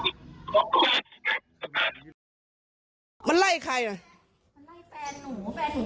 เดี๋ยวพี่ไฟทำไงเนี่ยเจ็บจับตนมาแล้ว